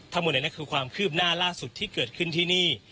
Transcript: ทั้งหมดเลยนั่นคือความคืบหน้าล่าสุดที่เกิดขึ้นที่นี่